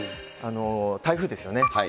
台風ですよね。